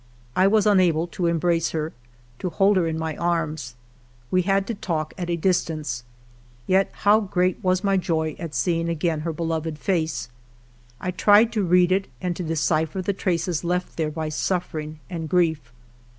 I was unable to embrace her, to hold her in my arms; we had to talk at a dis tance. Yet how great was my joy at seeing again her beloved face !... I tried to read it and to decipher the traces left there by suffering and grief.